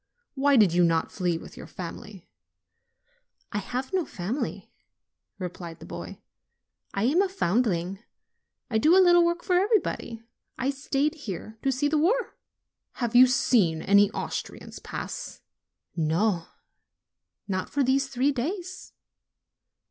"Why did you not flee with your family ?" "I have no family," replied the boy. "I am a found ling. I do a little work for everybody. I stayed here to see the war." "Have you seen any Austrians pass?" "No; not for these three days."